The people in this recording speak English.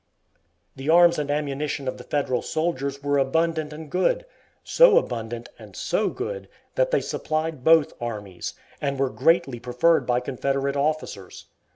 The arms and ammunition of the Federal soldiers were abundant and good, so abundant and so good that they supplied both armies, and were greatly preferred by Confederate officers.